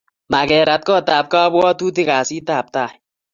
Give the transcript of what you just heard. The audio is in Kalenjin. Makerat kot ab kabwatutik kasit ab tai